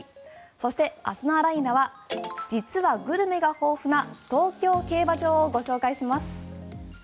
そして明日のあら、いーな！は実はグルメが豊富な東京競馬場をご紹介します。